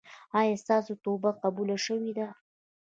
ایا ستاسو توبه قبوله شوې ده؟